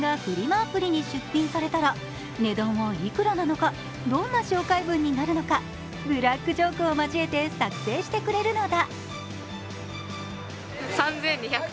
アプリに出品されたら値段はいくらなのか、どんな紹介文になるのか、ブラックジョークを交えて作成してくれるのだ。